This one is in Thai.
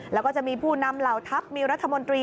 แล้วก็จะมีผู้นำเหล่าทัพมีรัฐมนตรี